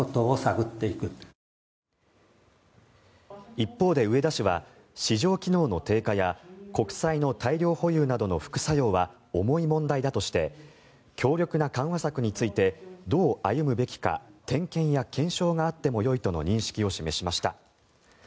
一方で植田氏は市場機能の低下や国債の大量保有などの副作用は重い問題だとして強力な緩和策についてどう歩むべきか点検が検証があってもよいとの認識を示しました。